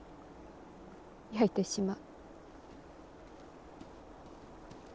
焼いてしまう。